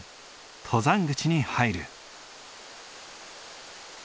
登山口に入る。